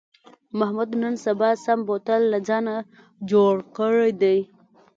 محمود نن سبا سم بوتل له ځانه جوړ کړی دی.